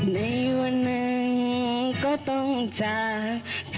ในวันหนึ่งก็ต้องจาก